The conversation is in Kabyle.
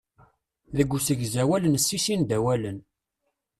Deg usegzawal, nessissin-d awalen.